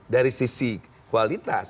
dari sisi kualitas